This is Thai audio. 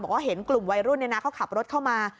เห็นกลุ่มวัยรุ่นเขาขับรถเข้ามา